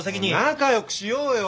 仲良くしようよ。